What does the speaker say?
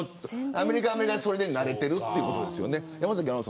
アメリカの人はそれで慣れているということですよね。